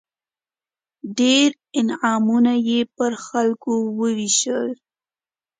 ډېر انعامونه یې پر خلکو ووېشل.